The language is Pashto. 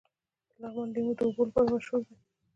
د لغمان لیمو د اوبو لپاره مشهور دي.